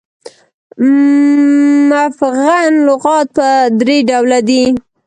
مفغن لغات پر درې ډوله دي.